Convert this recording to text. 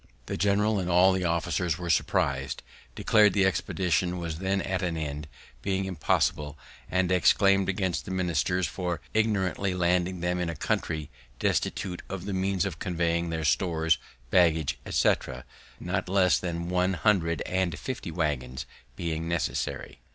The general and all the officers were surpris'd, declar'd the expedition was then at an end, being impossible, and exclaim'd against the ministers for ignorantly landing them in a country destitute of the means of conveying their stores, baggage, etc., not less than one hundred and fifty waggons being necessary.